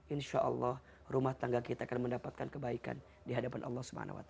insya allah rumah tangga kita akan mendapatkan kebaikan di hadapan allah swt